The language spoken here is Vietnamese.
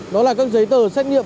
đó là các giấy tờ xét nghiệm